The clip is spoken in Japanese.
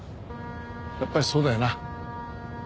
やっぱりそうだよな。